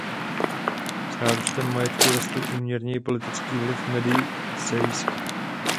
S nárůstem majetku rostl úměrně i politický vliv Medicejských.